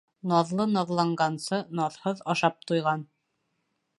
Наҙлы наҙланғансы наҙһыҙ ашап туйған.